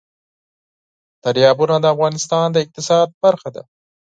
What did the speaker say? دریابونه د افغانستان د اقتصاد برخه ده.